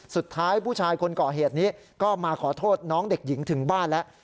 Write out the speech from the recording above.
สุดท้ายผู้ชายคนก่อเหตุนี้ก็มาขอโทษน้องเด็กหญิงถึงบ้านแล้ว